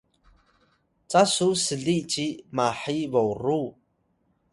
Pisuy: ca su sli ci mahi boru?